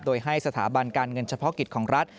โดยให้สถาบันการเงินเฉพาะกิจของรัฐ